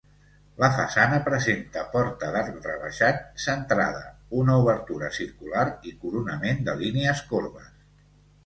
La façana presenta porta d'arc rebaixat, centrada, una obertura circular i coronament de línies corbes.